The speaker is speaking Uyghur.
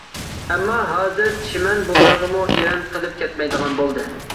ئەمما ھازىر چىمەن بۇلارغىمۇ ئېرەن قىلىپ كەتمەيدىغان بولدى.